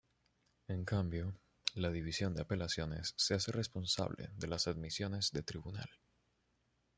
En cambio, la División de Apelaciones se hace responsable de las admisiones de tribunal.